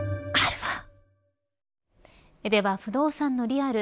では不動産のリアル